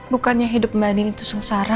bukannya hidup mbak nini itu sengsara